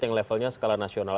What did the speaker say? yang levelnya skala nasional